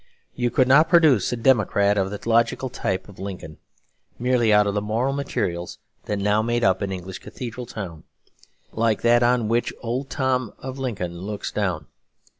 You could not produce a democrat of the logical type of Lincoln merely out of the moral materials that now make up an English cathedral town, like that on which Old Tom of Lincoln looks down.